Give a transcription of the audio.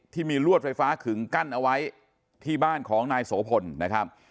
ที่มีลวดไฟฟ้าขึงกั้นเอาไว้ที่บ้านของนายโสพลนะครับ